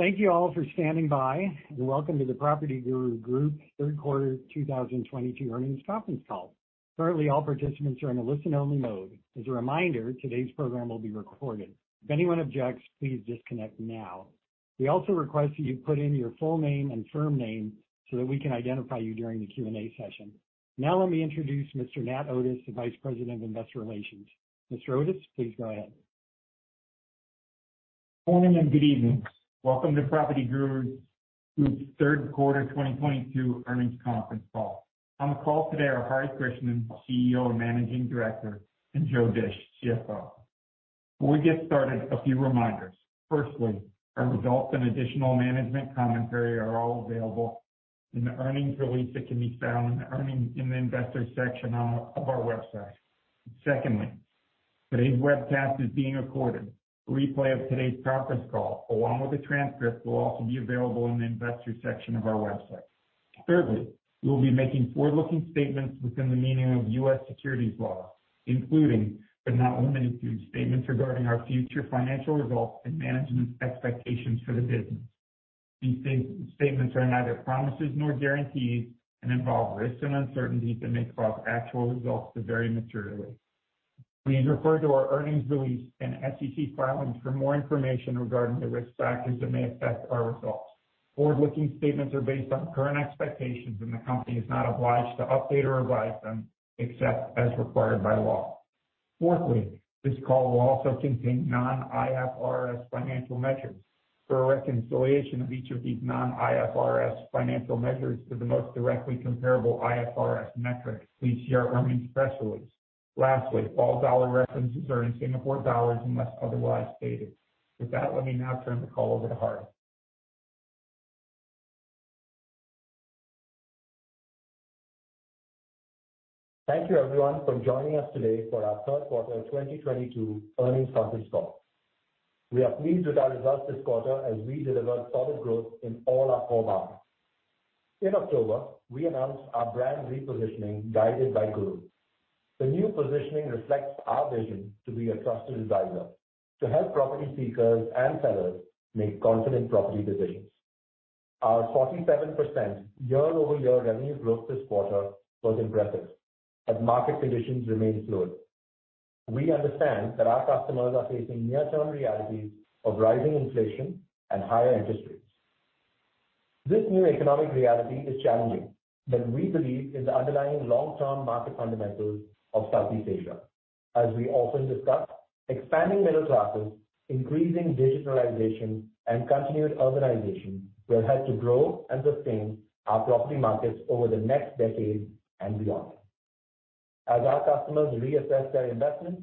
Thank you all for standing by. Welcome to the PropertyGuru Group third quarter 2022 earnings conference call. Currently, all participants are in a listen-only mode. As a reminder, today's program will be recorded. If anyone objects, please disconnect now. We also request that you put in your full name and firm name so that we can identify you during the Q&A session. Let me introduce Mr. Nat Otis, the Vice President of Investor Relations. Mr. Otis, please go ahead. Morning and good evening. Welcome to PropertyGuru Group's third quarter 2022 earnings conference call. On the call today are Hari Krishnan, CEO and Managing Director, and Joe Dische, CFO. Before we get started, a few reminders. Firstly, our results and additional management commentary are all available in the earnings release that can be found in the investor section of our website. Secondly, today's webcast is being recorded. A replay of today's conference call, along with the transcript, will also be available in the investor section of our website. Thirdly, we'll be making forward-looking statements within the meaning of US securities laws, including, but not only to, statements regarding our future financial results and management's expectations for the business. These statements are neither promises nor guarantees and involve risks and uncertainties that may cause actual results to vary materially. Please refer to our earnings release and SEC filings for more information regarding the risk factors that may affect our results. Forward-looking statements are based on current expectations and the company is not obliged to update or revise them except as required by law. Fourthly, this call will also contain non-IFRS financial measures. For a reconciliation of each of these non-IFRS financial measures to the most directly comparable IFRS metrics, please see our earnings press release. Lastly, all dollar references are in Singapore dollars unless otherwise stated. With that, let me now turn the call over to Hari. Thank you everyone for joining us today for our third quarter 2022 earnings conference call. We are pleased with our results this quarter as we delivered solid growth in all our core markets. In October, we announced our brand repositioning Guided by Guru. The new positioning reflects our vision to be a trusted advisor to help property seekers and sellers make confident property decisions. Our 47% year-over-year revenue growth this quarter was impressive as market conditions remain fluid. We understand that our customers are facing near-term realities of rising inflation and higher interest rates. This new economic reality is challenging, but we believe in the underlying long-term market fundamentals of Southeast Asia. As we often discuss, expanding middle classes, increasing digitalization, and continued urbanization will help to grow and sustain our property markets over the next decade and beyond. As our customers reassess their investments,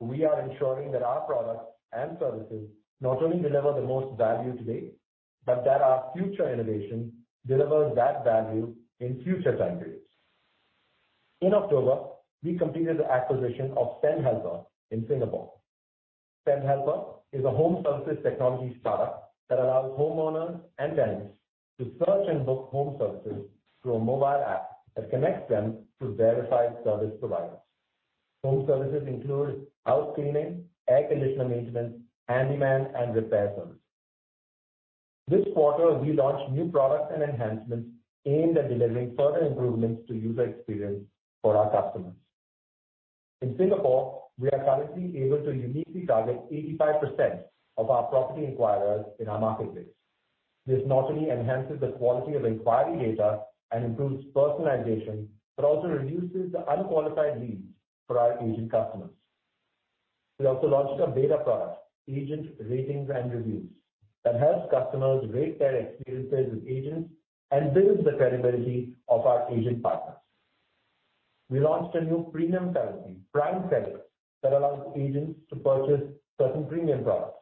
we are ensuring that our products and services not only deliver the most value today, but that our future innovation delivers that value in future time periods. In October, we completed the acquisition of Sendhelper in Singapore. Sendhelper is a home service technology startup that allows homeowners and tenants to search and book home services through a mobile app that connects them to verified service providers. Home services include house cleaning, air conditioner maintenance, handyman, and repair service. This quarter we launched new products and enhancements aimed at delivering further improvements to user experience for our customers. In Singapore, we are currently able to uniquely target 85% of our property enquirers in our market base. This not only enhances the quality of inquiry data and improves personalization, but also reduces the unqualified leads for our agent customers. We also launched a beta product, Agent Ratings and Reviews, that helps customers rate their experiences with agents and builds the credibility of our agent partners. We launched a new premium currency, Prime Credits, that allows agents to purchase certain premium products.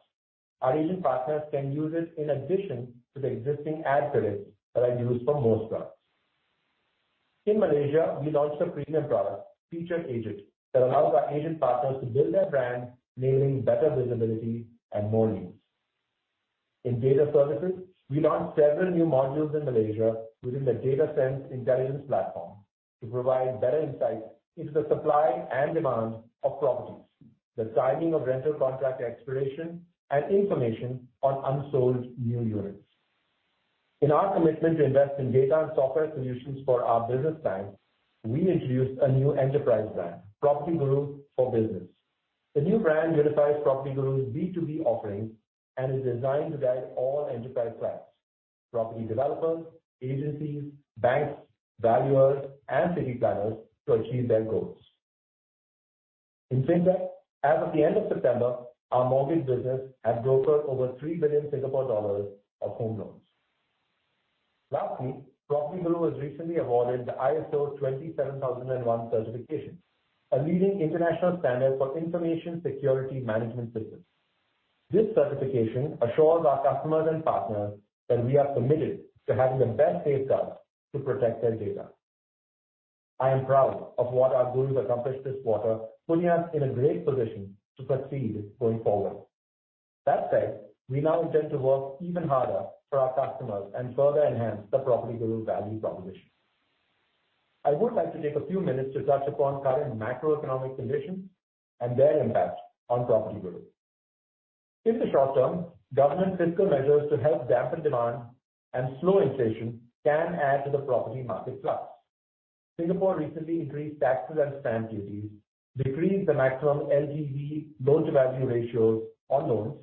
Our agent partners can use it in addition to the existing ad credits that are used for most products. In Malaysia, we launched a premium product, Featured Agent, that allows our agent partners to build their brand, enabling better visibility and more leads. In data services, we launched several new modules in Malaysia within the DataSense intelligence platform to provide better insights into the supply and demand of properties, the timing of rental contract expiration, and information on unsold new units. In our commitment to invest in data and software solutions for our business clients, we introduced a new enterprise brand, PropertyGuru For Business. The new brand unifies PropertyGuru's B2B offerings and is designed to guide all enterprise clients, property developers, agencies, banks, valuers, and city planners to achieve their goals. In FinTech, as of the end of September, our mortgage business had brokered over 3 billion Singapore dollars of home loans. PropertyGuru was recently awarded the ISO 27001 certification, a leading international standard for information security management systems. This certification assures our customers and partners that we are committed to having the best safeguards to protect their data. I am proud of what our gurus accomplished this quarter, putting us in a great position to succeed going forward. That said, we now intend to work even harder for our customers and further enhance the PropertyGuru value proposition. I would like to take a few minutes to touch upon current macroeconomic conditions and their impact on PropertyGuru. In the short term, government fiscal measures to help dampen demand and slow inflation can add to the property market plus. Singapore recently increased taxes and stamp duties, decreased the maximum LTV, loan-to-value ratios on loans,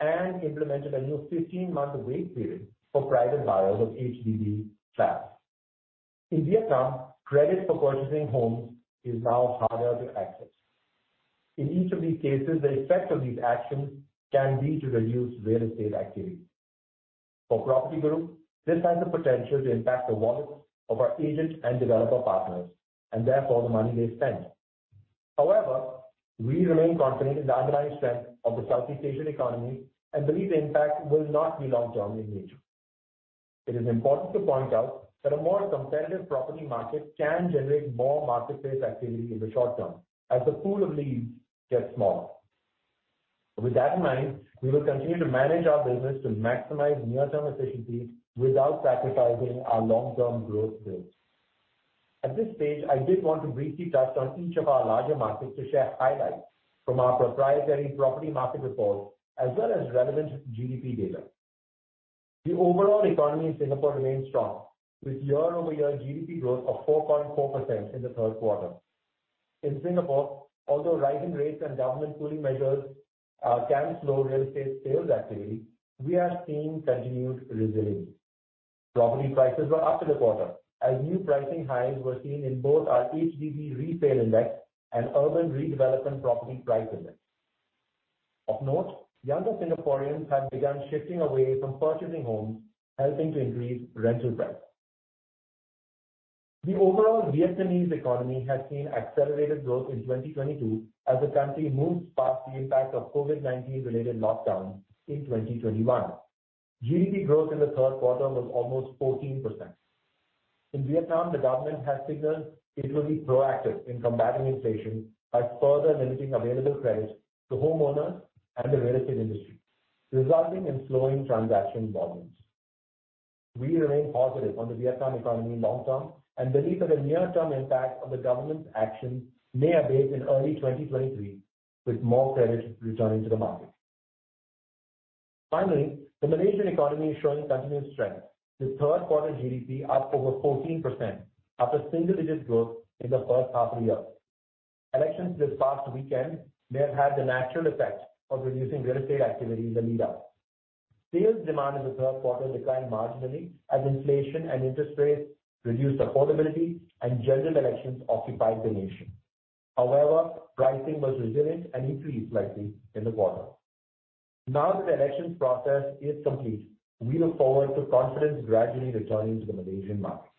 and implemented a new 15-month wait period for private buyers of HDB flats. In Vietnam, credit for purchasing homes is now harder to access. In each of these cases, the effect of these actions can lead to reduced real estate activity. For PropertyGuru, this has the potential to impact the wallets of our agent and developer partners, and therefore the money they spend. However, we remain confident in the underlying strength of the Southeast Asian economy and believe the impact will not be long-term in nature. It is important to point out that a more competitive property market can generate more marketplace activity in the short term as the pool of leads gets smaller. With that in mind, we will continue to manage our business to maximize near-term efficiency without sacrificing our long-term growth goals. At this stage, I did want to briefly touch on each of our larger markets to share highlights from our proprietary property market reports, as well as relevant GDP data. The overall economy in Singapore remains strong, with year-over-year GDP growth of 4.4% in the third quarter. In Singapore, although rising rates and government cooling measures can slow real estate sales activity, we are seeing continued resilience. Property prices were up in the quarter as new pricing highs were seen in both our HDB resale index and urban redevelopment property price index. Of note, younger Singaporeans have begun shifting away from purchasing homes, helping to increase rental prices. The overall Vietnamese economy has seen accelerated growth in 2022 as the country moves past the impact of COVID-19 related lockdowns in 2021. GDP growth in the third quarter was almost 14%. In Vietnam, the government has signaled it will be proactive in combating inflation by further limiting available credit to homeowners and the real estate industry, resulting in slowing transaction volumes. We remain positive on the Vietnam economy long term and believe that the near-term impact of the government's actions may abate in early 2023 with more credit returning to the market. Finally, the Malaysian economy is showing continued strength with third quarter GDP up over 14% after single-digit growth in the first half of the year. Elections this past weekend may have had the natural effect of reducing real estate activity in the lead up. Sales demand in the third quarter declined marginally as inflation and interest rates reduced affordability and general elections occupied the nation. However, pricing was resilient and increased slightly in the quarter. Now the elections process is complete, we look forward to confidence gradually returning to the Malaysian market.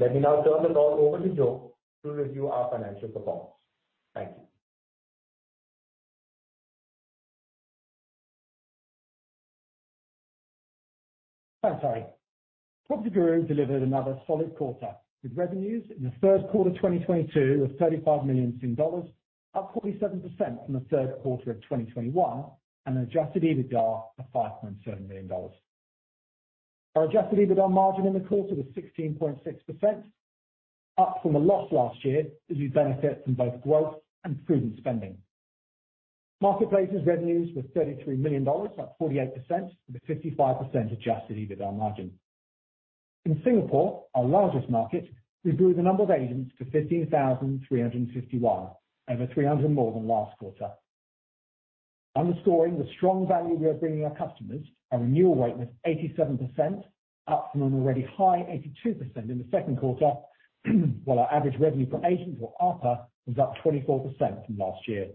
Let me now turn the call over to Joe to review our financial performance. Thank you. Thanks, Hari. PropertyGuru delivered another solid quarter, with revenues in the first quarter 2022 of 35 million dollars, up 47% from the third quarter of 2021 and an adjusted EBITDA of 5.7 million dollars. Our adjusted EBITDA margin in the quarter was 16.6%, up from a loss last year as we benefit from both growth and prudent spending. Marketplace's revenues were 33 million dollars, up 48% with a 55% adjusted EBITDA margin. In Singapore, our largest market, we grew the number of agents to 15,351, over 300 more than last quarter. Underscoring the strong value we are bringing our customers, our renewal rate was 87%, up from an already high 82% in the second quarter, while our average revenue per agent or ARPA was up 24% from last year.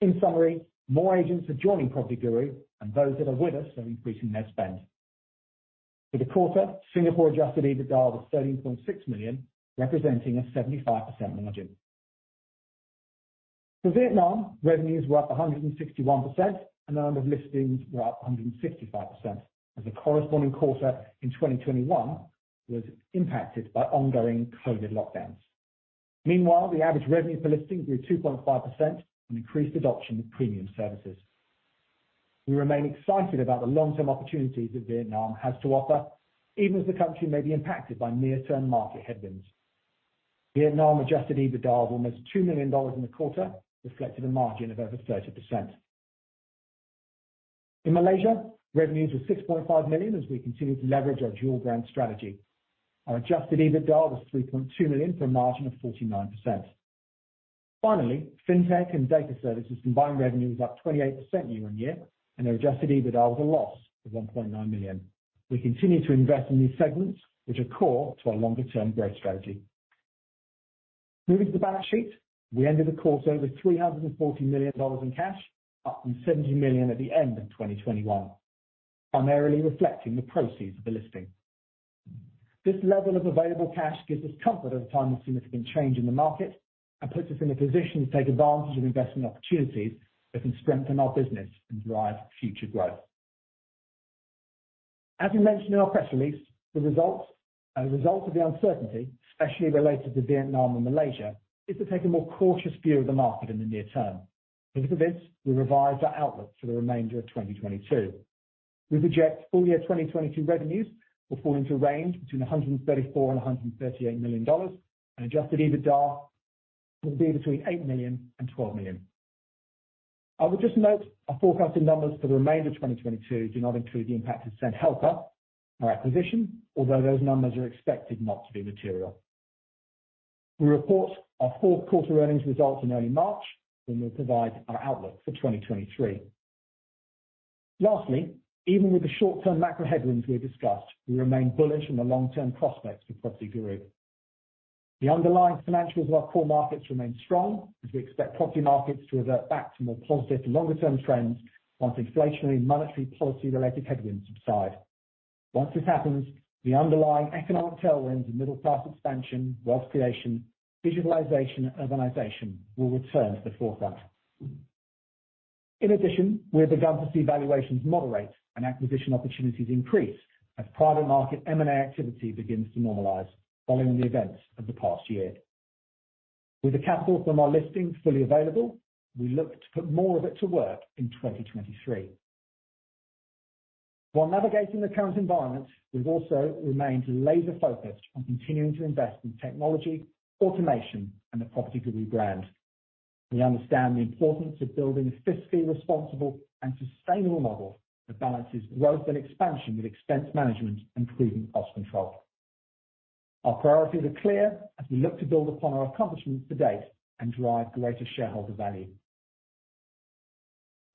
In summary, more agents are joining PropertyGuru and those that are with us are increasing their spend. For the quarter, Singapore adjusted EBITDA was 13.6 million, representing a 75% margin. For Vietnam, revenues were up 161% and the number of listings were up 165% as the corresponding quarter in 2021 was impacted by ongoing COVID lockdowns. Meanwhile, the average revenue per listing grew 2.5% from increased adoption of premium services. We remain excited about the long-term opportunities that Vietnam has to offer, even as the country may be impacted by near-term market headwinds. Vietnam adjusted EBITDA of almost 2 million dollars in the quarter reflected a margin of over 30%. In Malaysia, revenues were 6.5 million as we continue to leverage our dual brand strategy. Our adjusted EBITDA was 3.2 million for a margin of 49%. Finally, FinTech and Data Services' combined revenue was up 28% year-over-year, and their adjusted EBITDA was a loss of 1.9 million. We continue to invest in these segments, which are core to our longer-term growth strategy. Moving to the balance sheet, we ended the quarter with 340 million dollars in cash, up from 70 million at the end of 2021, primarily reflecting the proceeds of the listing. This level of available cash gives us comfort at a time of significant change in the market and puts us in a position to take advantage of investment opportunities that can strengthen our business and drive future growth. As we mentioned in our press release, as a result of the uncertainty especially related to Vietnam and Malaysia is to take a more cautious view of the market in the near term. Because of this, we revised our outlook for the remainder of 2022. We project full year 2022 revenues will fall into a range between 134 million and 138 million dollars, and adjusted EBITDA will be between 8 million and 12 million. I would just note our forecasted numbers for the remainder of 2022 do not include the impact of Sendhelper, our acquisition, although those numbers are expected not to be material. We report our fourth quarter earnings results in early March, when we'll provide our outlook for 2023. Lastly, even with the short-term macro headwinds we've discussed, we remain bullish on the long-term prospects for PropertyGuru. The underlying financials of our core markets remain strong as we expect property markets to revert back to more positive longer-term trends once inflationary monetary policy-related headwinds subside. Once this happens, the underlying economic tailwinds of middle-class expansion, wealth creation, digitalization, and urbanization will return to the forefront. In addition, we have begun to see valuations moderate and acquisition opportunities increase as private market M&A activity begins to normalize following the events of the past year. With the capital from our listing fully available, we look to put more of it to work in 2023. While navigating the current environment, we've also remained laser-focused on continuing to invest in technology, automation, and the PropertyGuru brand. We understand the importance of building a fiscally responsible and sustainable model that balances growth and expansion with expense management and prudent cost control. Our priorities are clear as we look to build upon our accomplishments to date and drive greater shareholder value.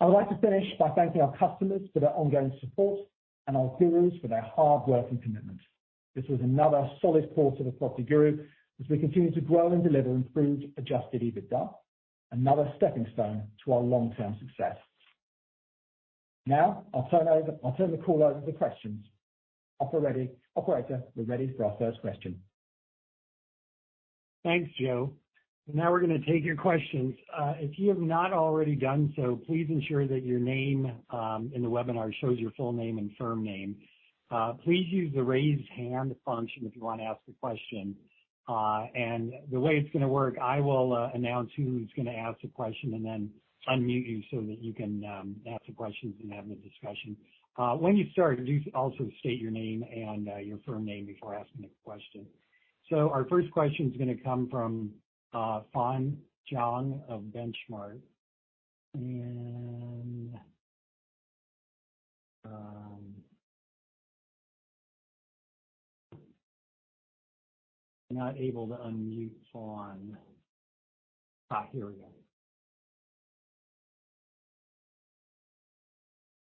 I would like to finish by thanking our customers for their ongoing support and our gurus for their hard work and commitment. This was another solid quarter for PropertyGuru as we continue to grow and deliver improved adjusted EBITDA, another stepping stone to our long-term success. Now I'll turn the call over to questions. Operator, we're ready for our first question. Thanks, Joe. Now we're gonna take your questions. If you have not already done so, please ensure that your name in the webinar shows your full name and firm name. Please use the Raise Hand function if you wanna ask a question. The way it's gonna work, I will announce who's gonna ask the question and then unmute you so that you can ask the questions and have the discussion. When you start, do also state your name and your firm name before asking the question. Our first question's gonna come from Fawne Jiang of The Benchmark Company. Not able to unmute Fawne. Here we go.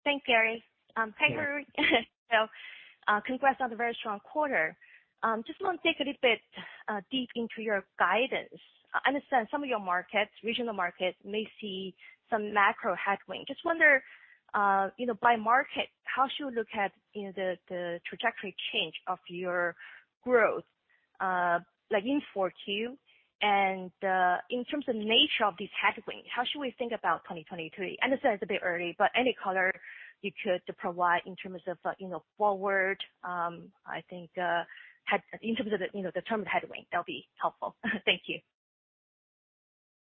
Thanks, Gary. Hi, Guru. Congrats on the very strong quarter. Just want to dig a little bit deep into your guidance. I understand some of your markets, regional markets may see some macro headwinds. Just wonder, you know, by market, how should we look at, you know, the trajectory change of your growth, like in 4Q? In terms of nature of these headwinds, how should we think about 2023? I understand it's a bit early, but any color you could provide in terms of, you know, forward, I think, in terms of the term headwind, that'll be helpful. Thank you.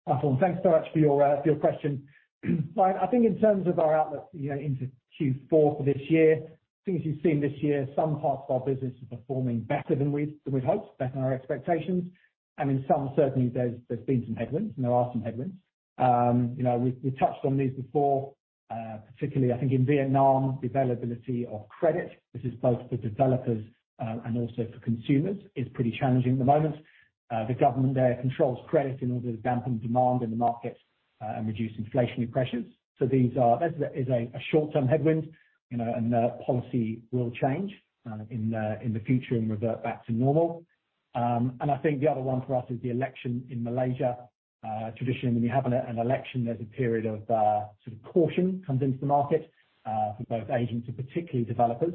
Fawne, thanks so much for your question. I think in terms of our outlook, you know, into Q4 for this year, I think as you've seen this year, some parts of our business are performing better than we'd hoped, better than our expectations. In some, certainly, there's been some headwinds, and there are some headwinds. You know, we touched on these before, particularly I think in Vietnam, the availability of credit. This is both for developers, and also for consumers, is pretty challenging at the moment. The government there controls credit in order to dampen demand in the market, and reduce inflationary pressures. This is a short-term headwind, you know, policy will change in the future and revert back to normal. I think the other one for us is the election in Malaysia. Traditionally, when you have an election, there's a period of sort of caution comes into the market for both agents and particularly developers.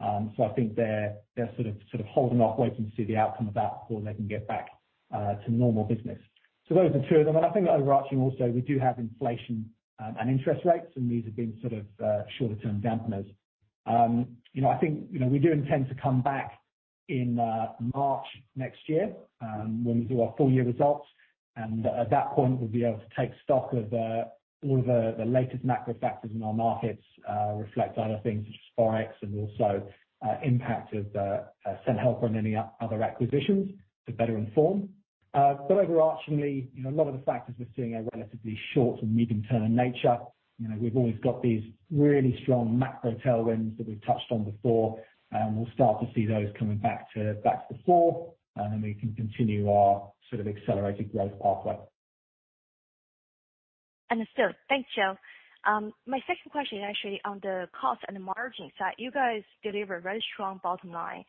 I think they're sort of holding off waiting to see the outcome of that before they can get back to normal business. Those are two of them. I think overarching also, we do have inflation and interest rates, and these have been sort of shorter term dampeners. You know, I think, you know, we do intend to come back in March next year when we do our full year results. At that point, we'll be able to take stock of all of the latest macro factors in our markets, reflect other things such as spikes and also impact of Sendhelper and any other acquisitions to better inform. Overarchingly, you know, a lot of the factors we're seeing are relatively short to medium-term in nature. You know, we've always got these really strong macro tailwinds that we've touched on before, and we'll start to see those coming back to the fore, and then we can continue our sort of accelerated growth pathway. Understood. Thanks, Joe. My second question actually on the cost and the margin side. You guys delivered very strong bottom line.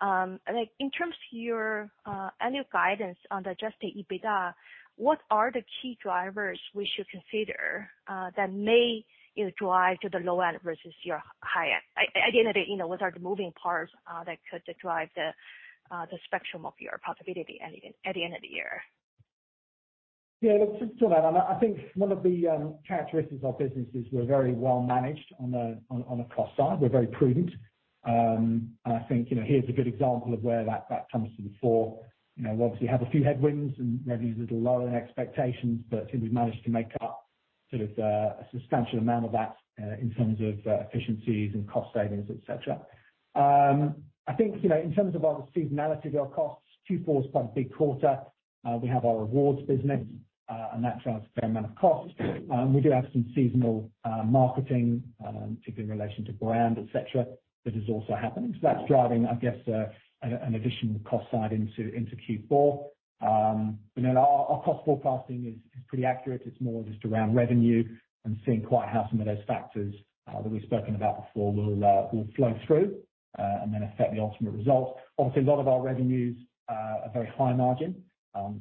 Like, in terms of your annual guidance on the adjusted EBITDA, what are the key drivers we should consider that may, you know, drive to the low end versus your high end? At the end of the day, you know, what are the moving parts that could drive the spectrum of your profitability at the end of the year? Yeah, look, Fawne, I think one of the characteristics of our business is we're very well managed on a cost side. We're very prudent. I think, you know, here's a good example of where that comes to the fore. You know, obviously had a few headwinds and maybe a little lower than expectations, but I think we've managed to make up sort of a substantial amount of that in terms of efficiencies and cost savings, et cetera. I think, you know, in terms of our seasonality of our costs, Q4 is quite a big quarter. We have our rewards business, that drives a fair amount of cost. We do have some seasonal marketing, particularly in relation to brand, et cetera, that is also happening. That's driving, I guess, an additional cost side into Q4. You know, our cost forecasting is pretty accurate. It's more just around revenue and seeing quite how some of those factors that we've spoken about before will flow through and then affect the ultimate result. Obviously, a lot of our revenues are very high margin,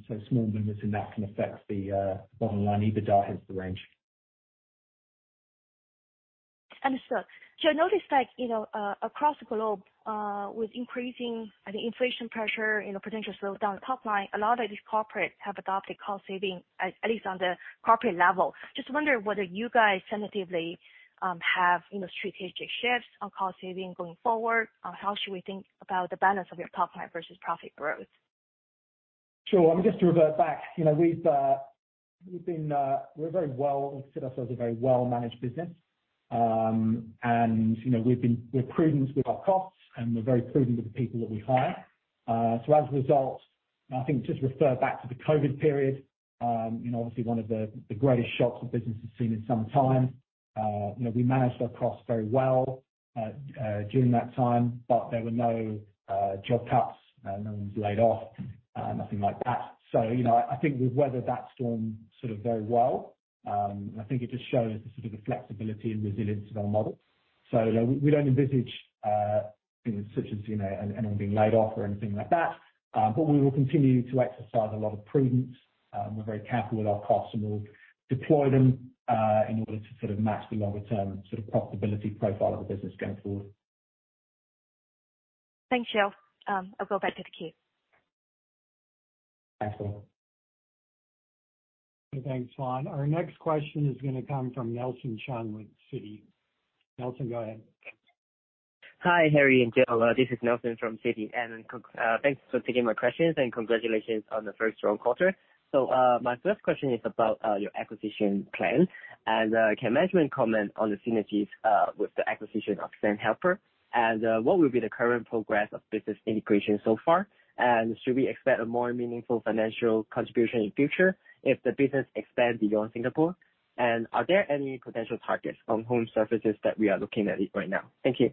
so small movements in that can affect the bottom line EBITDA hence the range. Understood. I noticed like, you know, across the globe, with increasing, I think, inflation pressure in a potential slowdown top line, a lot of these corporates have adopted cost saving, at least on the corporate level. Just wondering whether you guys tentatively have, you know, strategic shifts on cost saving going forward? How should we think about the balance of your top line versus profit growth? Sure. I mean, just to revert back, you know, we've been, we consider ourselves a very well-managed business. You know, we're prudent with our costs, and we're very prudent with the people that we hire. As a result, and I think just refer back to the COVID period, you know, obviously one of the greatest shocks the business has seen in some time. You know, we managed our costs very well during that time, but there were no job cuts, no one was laid off, nothing like that. You know, I think we've weathered that storm sort of very well. And I think it just shows the sort of the flexibility and resilience of our model. You know, we don't envisage, you know, such as, you know, anyone being laid off or anything like that. We will continue to exercise a lot of prudence. We're very careful with our costs, and we'll deploy them in order to sort of match the longer term sort of profitability profile of the business going forward. Thanks, Joe. I'll go back to the queue. Thanks. Thanks, Fawne. Our next question is gonna come from Nelson Cheung with Citi. Nelson, go ahead. Hi, Hari and Joe. This is Nelson from Citi. Thanks for taking my questions and congratulations on the very strong quarter. My first question is about your acquisition plan. Can management comment on the synergies with the acquisition of Sendhelper? What will be the current progress of business integration so far? Should we expect a more meaningful financial contribution in future if the business expands beyond Singapore? Are there any potential targets on home services that we are looking at it right now? Thank you.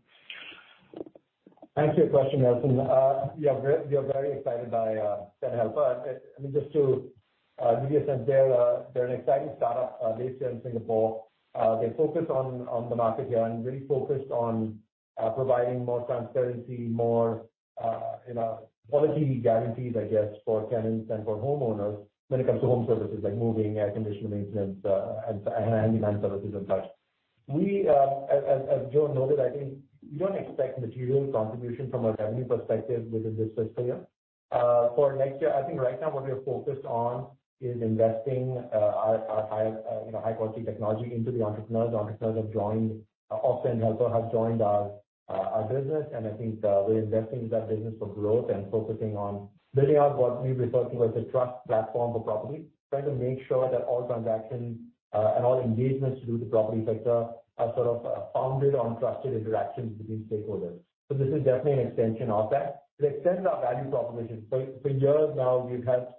Thanks for your question, Nelson. We are very excited by Sendhelper. I mean, just to give you a sense, they're an exciting startup based here in Singapore. They focus on the market here and really focused on providing more transparency, more, you know, quality guarantees, I guess, for tenants and for homeowners when it comes to home services like moving, air conditioner maintenance, and handyman services and such. We, as Joe noted, I think we don't expect material contribution from a revenue perspective within this first year. For next year, I think right now what we are focused on is investing our high, you know, high-quality technology into the entrepreneurs. The entrepreneurs Sendhelper have joined our business. I think we're investing in that business for growth and focusing on building out what we've referred to as a trust platform for property. Trying to make sure that all transactions and all engagements through the property sector are sort of founded on trusted interactions between stakeholders. This is definitely an extension of that. To extend our value proposition. For years now we've helped,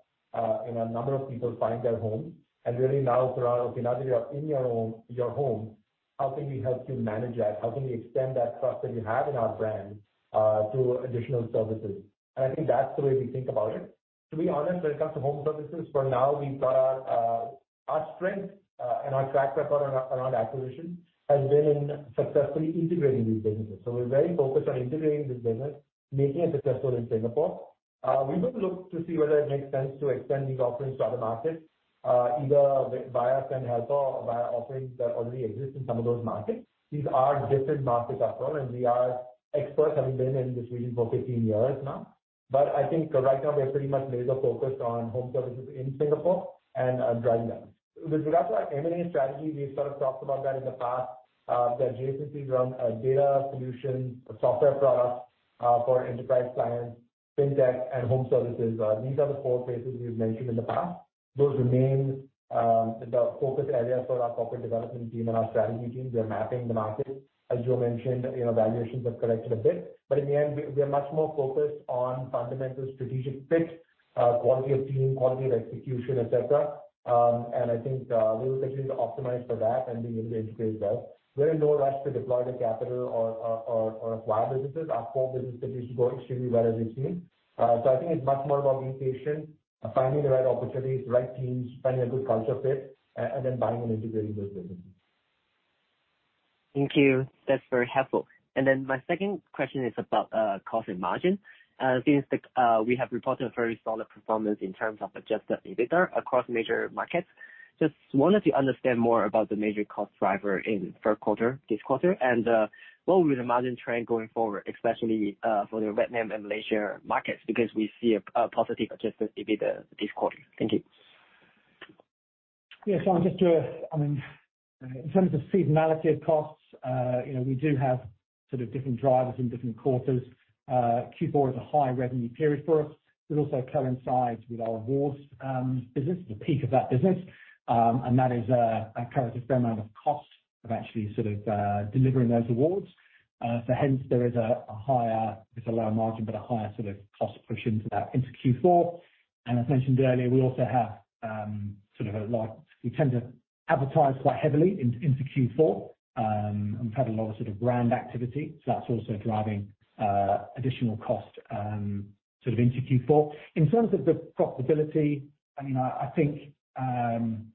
you know, a number of people find their home. Really now it's around, okay, now that you're in your own home, how can we help you manage that? How can we extend that trust that you have in our brand through additional services? I think that's the way we think about it. To be honest, when it comes to home services, for now we've got our strength and our track record around acquisition has been in successfully integrating these businesses. We're very focused on integrating this business, making it successful in Singapore. We will look to see whether it makes sense to extend these offerings to other markets, either via Sendhelper or via offerings that already exist in some of those markets. These are different markets after all, we are experts, having been in this region for 15 years now. I think right now we are pretty much laser focused on home services in Singapore and driving that. With regards to our M&A strategy, we've sort of talked about that in the past, that JCP is around data solutions or software products for enterprise clients, FinTech and home services. These are the four places we've mentioned in the past. Those remain the focus areas for our corporate development team and our strategy teams. We are mapping the market. As Joe mentioned, you know, valuations have corrected a bit. In the end, we are much more focused on fundamental strategic fit, quality of team, quality of execution, et cetera. I think we will continue to optimize for that and be able to integrate well. We're in no rush to deploy the capital or acquire businesses. Our core business continues to grow extremely well, as you've seen. I think it's much more about being patient, finding the right opportunities, the right teams, finding a good culture fit, and then buying and integrating those businesses. Thank you. That's very helpful. Then my second question is about cost and margin. Since we have reported a very solid performance in terms of adjusted EBITDA across major markets. Just wanted to understand more about the major cost driver in third quarter, this quarter. What would the margin trend going forward, especially for the Vietnam and Malaysia markets, because we see a positive adjusted EBITDA this quarter. Thank you. Yeah. I mean, in terms of seasonality of costs, we do have sort of different drivers in different quarters. Q4 is a high revenue period for us. It also coincides with our awards business, the peak of that business. That is incurs a fair amount of cost of actually delivering those awards. Hence there is a higher. It's a lower margin, but a higher cost push into that into Q4. As mentioned earlier, we also have. We tend to advertise quite heavily into Q4. We've had a lot of brand activity, that's also driving additional cost into Q4. In terms of the profitability, I mean, I think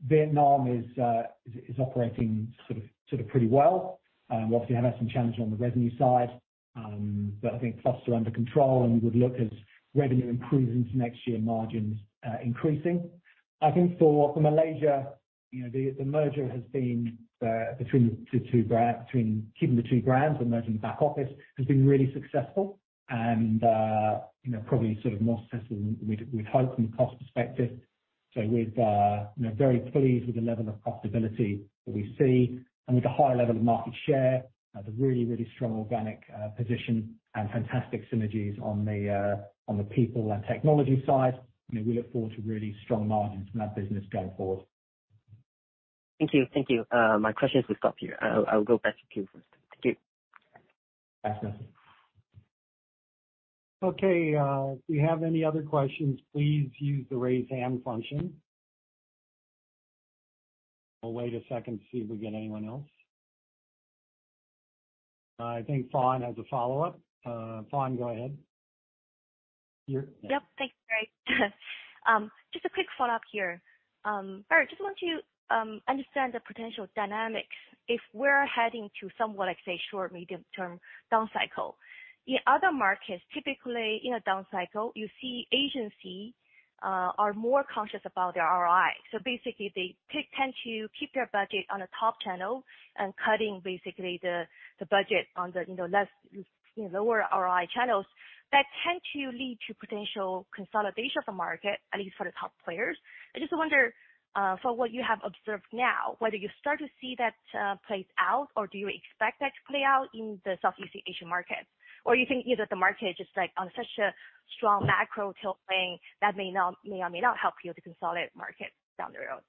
Vietnam is operating sort of pretty well. Obviously had some challenges on the revenue side. I think costs are under control, and we would look as revenue improves into next year, margins increasing. I think for Malaysia, you know, the merger has been between keeping the two brands and merging the back office has been really successful and, you know, probably sort of more successful than we'd hoped from a cost perspective. We've, you know, very pleased with the level of profitability that we see. With the high level of market share, has a really strong organic position and fantastic synergies on the people and technology side. You know, we look forward to really strong margins from that business going forward. Thank you. Thank you. My questions have stopped here. I'll go back to Q. Thank you. Thanks, Nelson. Okay, if you have any other questions, please use the Raise Hand function. We'll wait a second to see if we get anyone else. I think Fawne has a follow-up. Fawne, go ahead. Yep. Thanks, Greg. Just a quick follow-up here. All right, just want to understand the potential dynamics if we're heading to somewhat like, say, short, medium term down cycle. In other markets, typically in a down cycle, you see agency are more conscious about their ROI. Basically they tend to keep their budget on a top channel and cutting basically the budget on the, you know, less, you know, lower ROI channels that tend to lead to potential consolidation of the market, at least for the top players. I just wonder for what you have observed now, whether you start to see that plays out or do you expect that to play out in the Southeast Asian market? You think, you know, the market is just like on such a strong macro tilt plane that may not, may or may not help you to consolidate market down the road?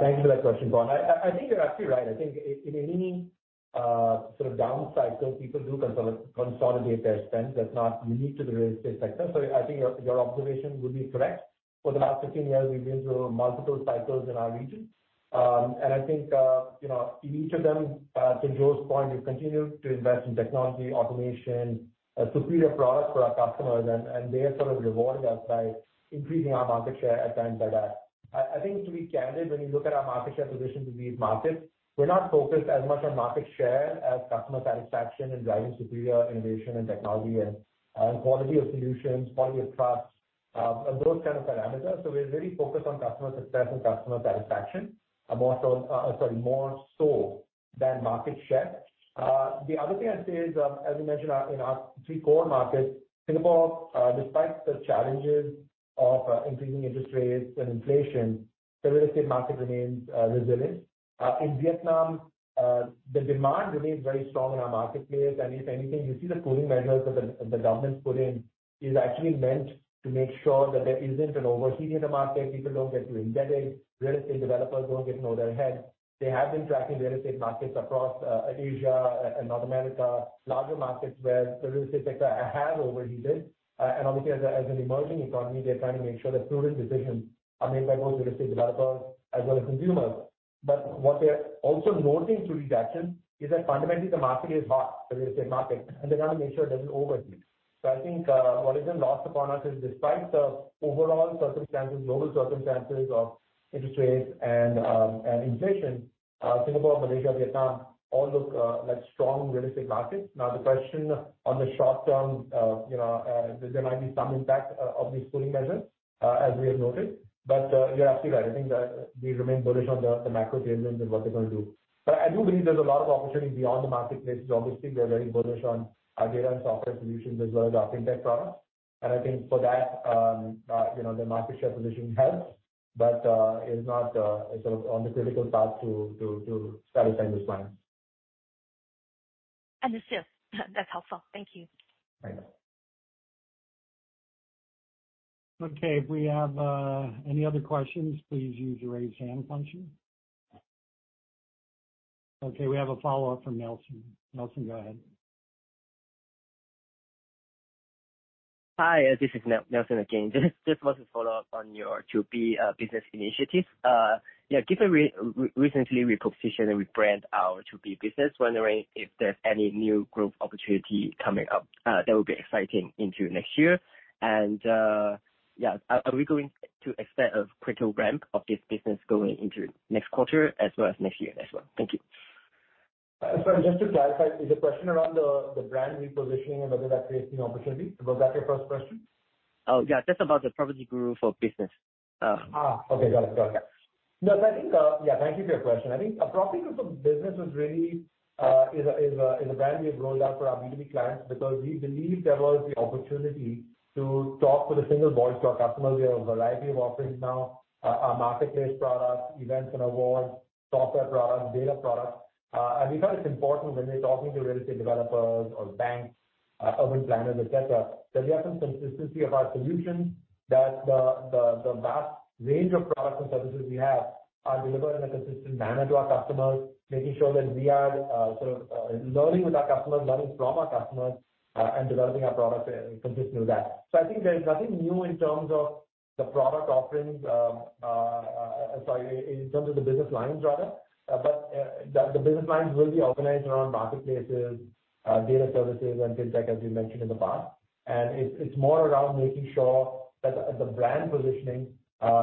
Thank you for that question, Fawne. I think you're absolutely right. I think in any sort of down cycle, people do consolidate their spend. That's not unique to the real estate sector. I think your observation would be correct. For the last 15 years, we've been through multiple cycles in our region. I think, you know, in each of them, to Joe's point, we've continued to invest in technology, automation, superior products for our customers, and they have sort of rewarded us by increasing our market share at times like that. I think to be candid, when you look at our market share position in these markets, we're not focused as much on market share as customer satisfaction and driving superior innovation and technology and quality of solutions, quality of trust, and those kind of parameters. We're very focused on customer success and customer satisfaction, also, sorry, more so than market share. The other thing I'd say is, as we mentioned our, in our three core markets, Singapore, despite the challenges of increasing interest rates and inflation, the real estate market remains resilient. In Vietnam, the demand remains very strong in our marketplace. If anything, you see the cooling measures that the government put in is actually meant to make sure that there isn't an overheating in the market. People don't get too indebted. Real estate developers don't get in over their heads. They have been tracking real estate markets across, Asia and North America, larger markets where the real estate sector have overheated. Obviously, as an emerging economy, they're trying to make sure that prudent decisions are made by both real estate developers as well as consumers. What they're also noting through these actions is that fundamentally the market is hot, the real estate market, and they wanna make sure it doesn't overheat. I think, what has been lost upon us is despite the overall circumstances, global circumstances of interest rates and inflation, Singapore, Malaysia, Vietnam all look, like strong real estate markets. The question on the short term, you know, there might be some impact of these cooling measures, as we have noted. You're absolutely right. I think that we remain bullish on the macro tailwinds and what they're gonna do. I do believe there's a lot of opportunity beyond the marketplace. Obviously, we are very bullish on our data and software solutions as well as our FinTech products. I think for that, you know, the market share position helps, but is not sort of on the critical path to satisfying this plan. Understood. That's helpful. Thank you. Thanks. Okay, if we have any other questions, please use Raise Hand function. Okay, we have a follow-up from Nelson. Nelson, go ahead. Hi, this is Nelson again. Just wanted to follow up on your B2B business initiative. Yeah, given we recently repositioned and rebrand our B2B business, wondering if there's any new growth opportunity coming up that will be exciting into next year. Yeah. Are we going to expect a quicker ramp of this business going into next quarter as well as next year as well? Thank you. Sorry, just to clarify, is the question around the brand repositioning and whether that's creating opportunity? Was that your first question? Oh, yeah, just about the PropertyGuru For Business. Okay, got it. Got it. I think, thank you for your question. I think, PropertyGuru For Business is really a brand we have rolled out for our B2B clients because we believed there was the opportunity to talk with a single voice to our customers. We have a variety of offerings now, our marketplace products, events and awards, software products, data products. We thought it's important when they're talking to real estate developers or banks, urban planners, et cetera, that we have some consistency of our solutions, that the vast range of products and services we have are delivered in a consistent manner to our customers. Making sure that we are learning with our customers, learning from our customers, and developing our products in consistent with that. I think there's nothing new in terms of the product offerings, sorry, in terms of the business lines rather. The business lines will be organized around marketplaces, data services and FinTech, as we mentioned in the past. It's more around making sure that the brand positioning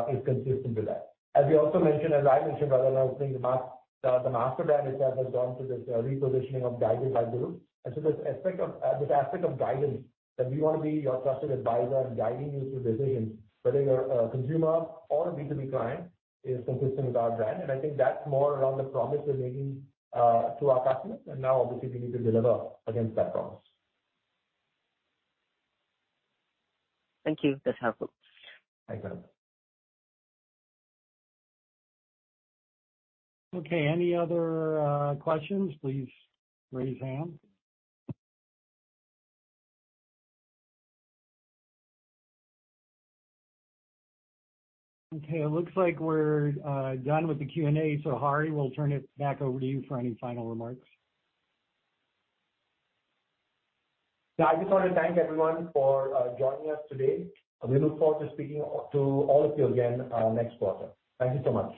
is consistent with that. As we also mentioned, as I mentioned rather, I was saying the master brand itself has gone through this repositioning of Guided by Guru. This aspect of guidance, that we wanna be your trusted advisor and guiding you through decisions, whether you're a consumer or a B2B client, is consistent with our brand. I think that's more around the promise we're making to our customers. Now obviously we need to deliver against that promise. Thank you. That's helpful. Thank you. Okay, any other questions, please raise hand. Okay, it looks like we're done with the Q&A. Hari, we'll turn it back over to you for any final remarks. Yeah. I just want to thank everyone for joining us today. We look forward to speaking to all of you again next quarter. Thank you so much.